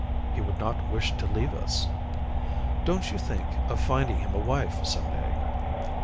"He would not wish to leave us." "Don't you think of finding him a wife, some day?"